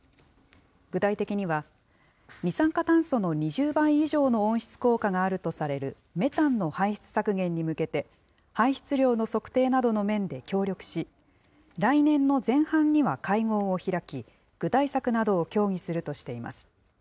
具体的には、二酸化炭素の２０倍以上の温室効果があるとされるメタンの排出削減に向けて、排出量の測定などの面で協力し、来年の前半には会合を開き、具体策などを協議するとしています。